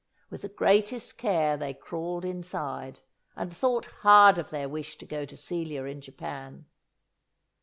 With the greatest care they crawled inside, and thought hard of their wish to go to Celia in Japan.